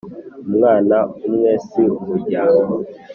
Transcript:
Umwana umwe si umuryango.